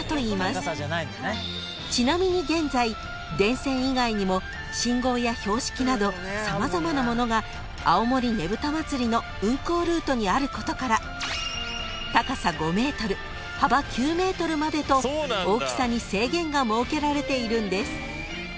［ちなみに現在電線以外にも信号や標識など様々なものが青森ねぶた祭の運行ルートにあることから高さ５ｍ幅９ｍまでと大きさに制限が設けられているんです］